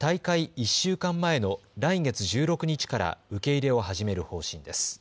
１週間前の来月１６日から受け入れを始める方針です。